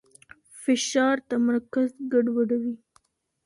فشار تمرکز ګډوډوي.